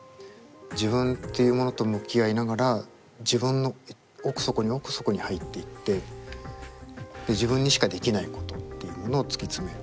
自分っていうものと向き合いながら自分の奥底に奥底に入っていってで自分にしかできないことっていうものを突き詰める。